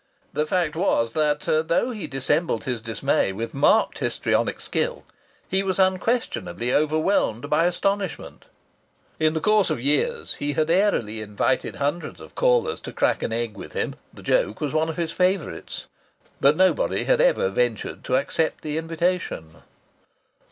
The fact was that, though he dissembled his dismay with marked histrionic skill, he was unquestionably overwhelmed by astonishment. In the course of years he had airily invited hundreds of callers to crack an egg with him the joke was one of his favourites but nobody had ever ventured to accept the invitation.